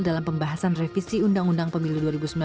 dalam pembahasan revisi undang undang pemilu dua ribu sembilan belas